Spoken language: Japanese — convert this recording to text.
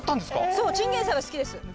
そうチンゲン菜は好きです